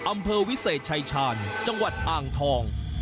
อำเภอวิเศษชายชาญจังหวัดอ่างทอง